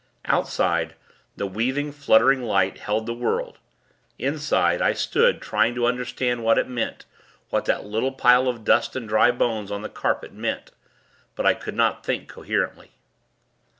Outside, the weaving, fluttering light held the world. Inside, I stood, trying to understand what it meant what that little pile of dust and dry bones, on the carpet, meant. But I could not think, coherently.